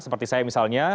seperti saya misalnya